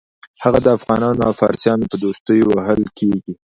هغه د افغانانو او فارسیانو په دوستۍ وهل کېږي.